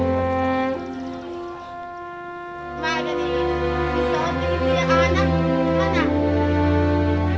saya akan bawa anak ke rumah mereka